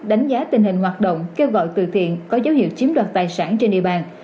đánh giá tình hình hoạt động kêu gọi từ thiện có dấu hiệu chiếm đoạt tài sản trên địa bàn